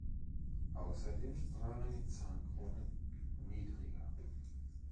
Außerdem waren die Zahnkronen niedriger.